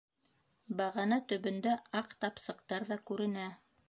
Бағана төбөндә аҡ тапсыҡтар ҙа күренә.